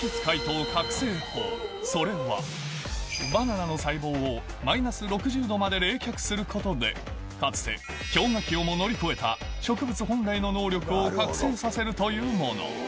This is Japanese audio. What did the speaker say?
それはバナナの細胞をマイナス６０℃まで冷却することでかつて氷河期をも乗り越えた植物本来の能力を覚醒させるというもの